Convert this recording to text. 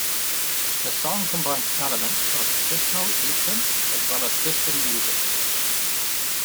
The song combines elements of traditional Eastern as well as Western music.